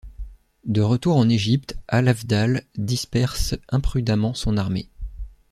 De retour en Égypte, Al-Afdhal disperse imprudemment son armée.